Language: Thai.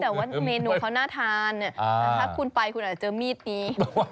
แต่ว่าเมนูเขาน่าทานถ้าคุณไปคุณอาจจะเจอมีดนี้